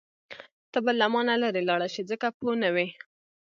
ته به له مانه لرې لاړه شې ځکه پوه نه وې.